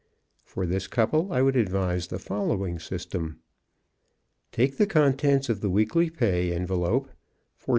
For this couple I would advise the following system: Take the contents of the weekly pay envelope, $14,423.